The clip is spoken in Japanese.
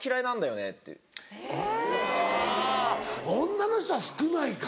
女の人は少ないか。